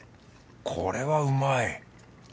これはうまい。